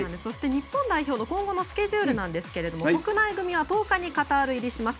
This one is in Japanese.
日本代表の今後のスケジュールなんですが国内組は１０日にカタール入りします。